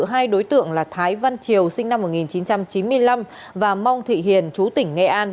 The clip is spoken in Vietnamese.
hai đối tượng là thái văn triều sinh năm một nghìn chín trăm chín mươi năm và mong thị hiền chú tỉnh nghệ an